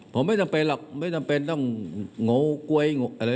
ผมไม่จำเป็นหรอกไม่จำเป็นต้องโงก๊วยอะไร